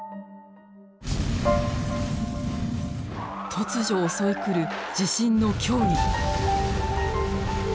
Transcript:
突如襲い来る地震の脅威。